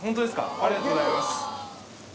ありがとうございます。